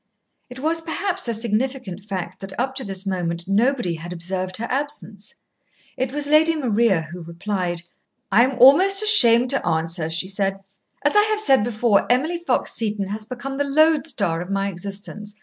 It was perhaps a significant fact that up to this moment nobody had observed her absence. It was Lady Maria who replied. "I am almost ashamed to answer," she said. "As I have said before, Emily Fox Seton has become the lodestar of my existence.